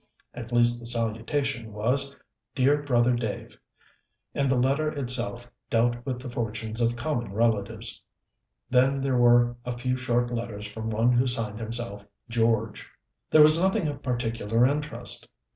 At least the salutation was "Dear Brother Dave," and the letter itself dealt with the fortunes of common relatives. Then there were a few short letters from one who signed himself "George." There was nothing of particular interest.